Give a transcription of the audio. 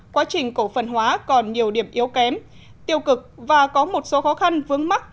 quá trình cổ phần hóa còn nhiều điểm yếu kém tiêu cực và có một số khó khăn vướng mắt